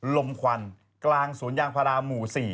ลมควันกลางสวนยางพาราหมู่๔